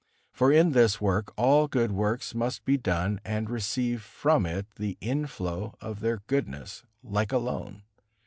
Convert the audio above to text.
For in this work all good works must be done and receive from it the inflow of their goodness, like a loan.